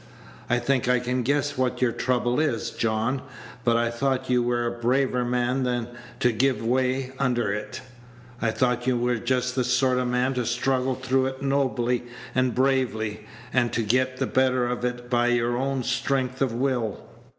I think I can guess what your trouble is, John, but I thought you were a braver man than to give way under it; I thought you were just Page 174 the sort of man to struggle through it nobly and bravely, and to get the better of it by your own strength of will."